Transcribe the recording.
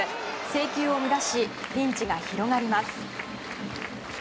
制球を乱しピンチが広がります。